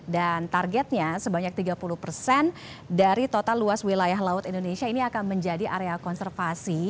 dan targetnya sebanyak tiga puluh dari total luas wilayah laut indonesia ini akan menjadi area konservasi